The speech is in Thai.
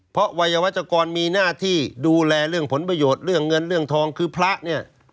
เพราะวัยวัชกรมีหน้าที่ดูแลเรื่องผลประโยชน์เรื่องเงินเรื่องทองคือพระเนี่ย